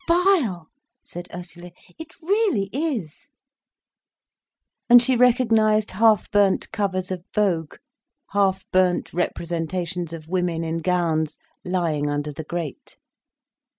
_" "Vile!" said Ursula. "It really is." And she recognised half burnt covers of "Vogue"—half burnt representations of women in gowns—lying under the grate.